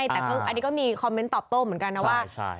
แต่อันนี้ก็มีคอมเมนต์ตอบโต้เหมือนกันนะว่า